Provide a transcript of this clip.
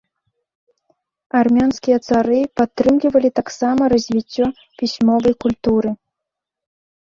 Армянскія цары падтрымлівалі таксама развіццё пісьмовай культуры.